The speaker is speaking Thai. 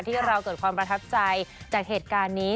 ที่เราเกิดความประทับใจจากเหตุการณ์นี้